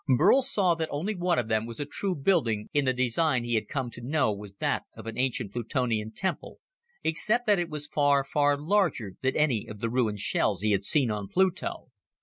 Burl saw that only one of them was a true building in the design he had come to know was that of an ancient Plutonian temple except that it was far, far larger than any of the ruined shells he had seen on Pluto.